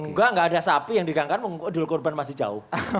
enggak enggak ada sapi yang diganggar mengukur duluk korban masih jauh